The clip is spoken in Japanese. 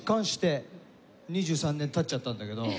２３年経っちゃったんだけど。